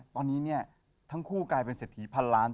ตอนนี้เนี่ยทั้งคู่กลายเป็นเศรษฐีพันล้าน